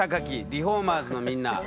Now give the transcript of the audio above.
リフォーマーズのみんな。